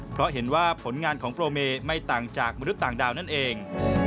เพราะเห็นว่าผลงานของโปรเมไม่ต่างจากมนุษย์ต่างดาวนั่นเอง